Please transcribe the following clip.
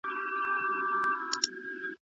احسان دې یې په ما کاوه